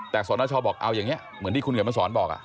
แต่สนชบอกเอาอย่างนี้เหมือนที่คุณเขียนมาสอนบอก